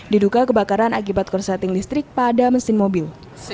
diduka kebakaran akibat korseting listrik pada mesin mobil